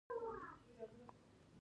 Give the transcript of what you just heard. تاسو کولای شئ دا هدف نږدې کړئ.